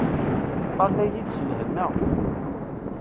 Teṭṭalay-it s lhenna.